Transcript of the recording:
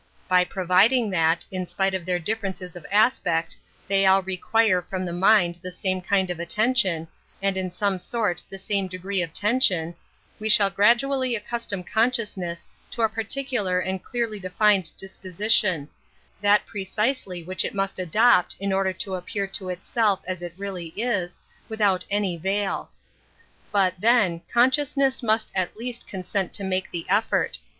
By providing that, in spite of their differences f of aspect, they all require from the mindi the same kind of attention, and in somei sort the same degree of tension, we shall gradually accustom consciousness to a par Metaphysics 17 Hcnlar and clearly defined disposition — that precisely which it must adopt in order to appear to itself as it really is, without any veil. But, then, consciouenefis must at least consent to make the effort.